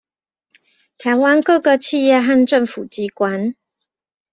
台灣各個企業和政府機關